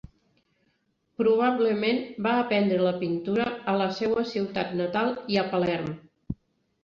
Probablement va aprendre la pintura a la seua ciutat natal i a Palerm.